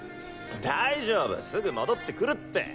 大丈夫すぐ戻ってくるって。